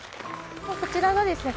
こちらがですね